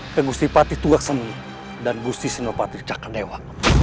pengusti patih tugak semih dan gusti sinopati cakandewa